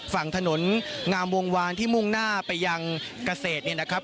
ฝั่งถนนงามวงวานที่มุ่งหน้าไปยังเกษตรเนี่ยนะครับ